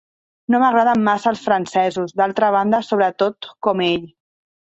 No m'agraden massa els francesos, d'altra banda, sobretot com ell.